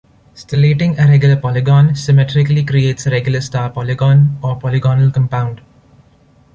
Stellating a regular polygon symmetrically creates a regular star polygon or polygonal compound.